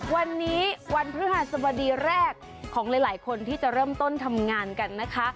วันนี้วันพฤหัสบดีแรกของหลายคนที่จะเริ่มต้นทำงานกันนะคะ